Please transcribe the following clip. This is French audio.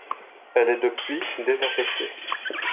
Elle est depuis désaffectée.